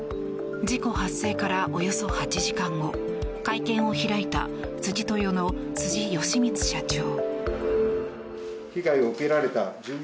事故発生からおよそ８時間後会見を開いた辻豊の辻賀光社長。